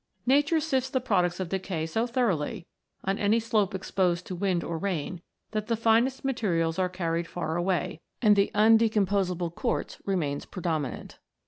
Nature sifts the products of decay so thoroughly, on any slope exposed to wind or rain, that the finest materials are carried far away, and the undecompos able quartz remains predominant.